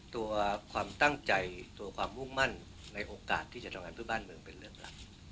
ตัวความตั้งใจตัวความมุ่งมั่นในโอกาสที่จะทำงานเพื่อบ้านเมืองเป็นเรื่องหลัก